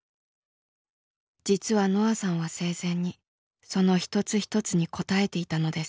実はのあさんは生前にその一つ一つに応えていたのです。